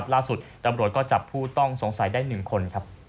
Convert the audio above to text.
ล่าสุดตำรวจก็จับผู้ต้องสงสัยได้๑คน